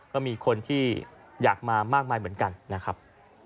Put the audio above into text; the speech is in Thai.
ก็มีคนที่อยากมามากมายเหมือนกันนะครับ